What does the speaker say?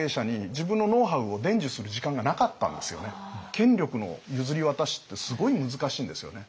だから次の権力の譲り渡しってすごい難しいんですよね。